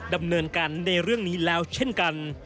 ดำเนินการในเรื่องนี้แล้วเช่นกัน